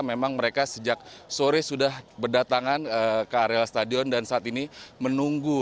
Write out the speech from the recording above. memang mereka sejak sore sudah berdatangan ke areal stadion dan saat ini menunggu